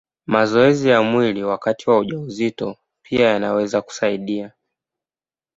Mazoezi ya mwili wakati wa ujauzito pia yanaweza kusaidia.